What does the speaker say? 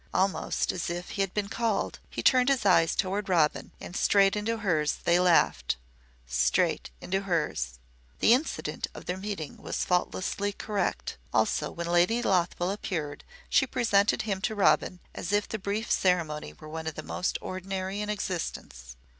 Almost as if he had been called he turned his eyes toward Robin and straight into hers they laughed straight into hers. The incident of their meeting was faultlessly correct; also, when Lady Lothwell appeared, she presented him to Robin as if the brief ceremony were one of the most ordinary in existence.